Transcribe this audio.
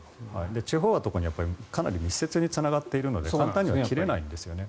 地方は特にかなり密接につながっているので簡単には切れないんですね。